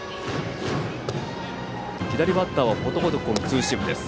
左バッターはことごとくツーシームです。